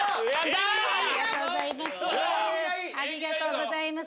ありがとうございます。